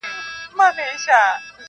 کم اصل چي کوم ځاى خوري، هلته خړي-